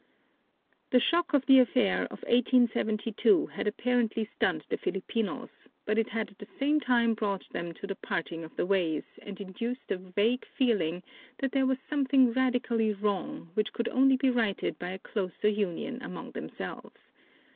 The shock of the affair of 1872 had apparently stunned the Filipinos, but it had at the same time brought them to the parting of the ways and induced a vague feeling that there was something radically wrong, which could only be righted by a closer union among themselves.